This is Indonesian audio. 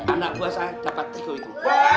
anak buah saya dapat tiku itu